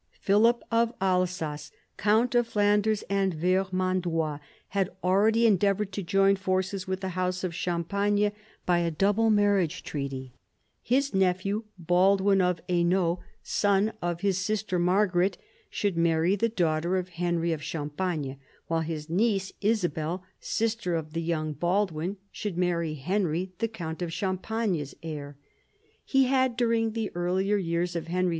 Philip of Alsace, countnof Flanders andVermandois, had already endeavoured to join forces with the house of Champagne by a double marriage treaty. His nephew, Baldwin of Hainault, son of his ii THE BEGINNINGS OF PHILIP'S POWER 23 sister Margaret, should marry the daughter of Henry of Champagne, while his niece Isabel, sister of the young Baldwin, should wed Henry, the count of Champagne's heir. He had during the earlier years of Henry II.